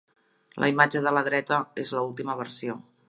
La imatge de la dreta és l'última versió